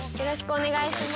お願いします。